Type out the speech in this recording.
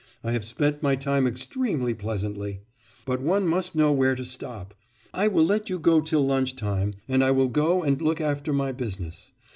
I have spent my time extremely pleasantly. But one must know where to stop. I will let you go till lunch time and I will go and look after my business.